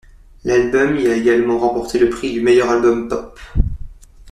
L'album y a également remporté le prix du meilleur album pop.